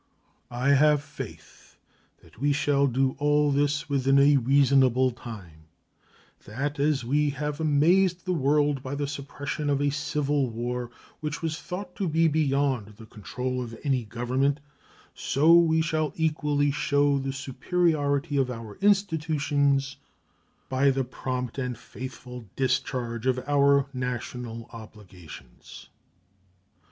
I have faith that we shall do all this within a reasonable time; that as we have amazed the world by the suppression of a civil war which was thought to be beyond the control of any government, so we shall equally show the superiority of our institutions by the prompt and faithful discharge of our national obligations.